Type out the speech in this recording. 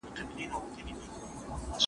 نه خوړلي نه لیدلي پوروړي